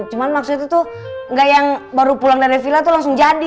cuman maksudnya tuh nggak yang baru pulang dari vila tuh langsung jadi